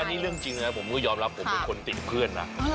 อันนี้เรื่องจริงนะผมก็ยอมรับผมเป็นคนติดเพื่อนนะ